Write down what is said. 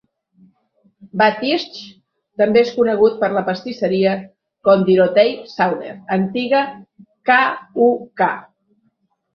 Bad Ischl també és conegut per la pastisseria "Konditorei Zauner", antiga k.u.k.